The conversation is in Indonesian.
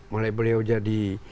mulai beliau jadi